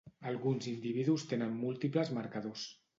Alguns individus tenen múltiples marcadors.